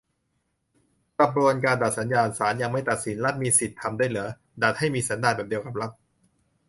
"กระบวนการดัดสันดาน" ? ศาลยังไม่ตัดสิน รัฐมีสิทธิทำด้วยหรือ ? ดัดให้มีสันดานแบบเดียวกับรัฐ ?